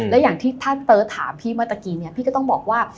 และอย่างที่ท่านเติร์ทถามพี่เมื่อตะกี้เนี่ยพี่ก็ต้องบอกว่า